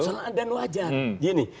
salah dan wajar